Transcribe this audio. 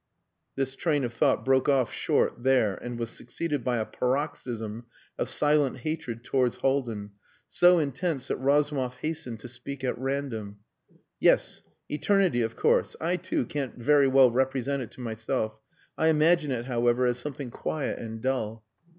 This train of thought broke off short there and was succeeded by a paroxysm of silent hatred towards Haldin, so intense that Razumov hastened to speak at random. "Yes. Eternity, of course. I, too, can't very well represent it to myself.... I imagine it, however, as something quiet and dull.